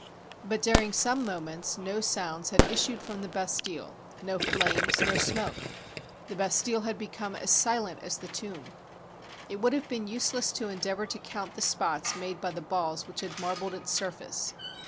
But during some moments no sounds had issued from the Bastille, no flames, no smoke. The Bastille had become as silent as the tomb. It would have been useless to endeavor to count the spots made by the balls which had marbled its surface.